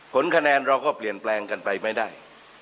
ผลคะแนนเราก็เปลี่ยนแปลงกันไปไม่ได้